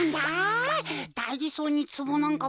だいじそうにつぼなんかもって。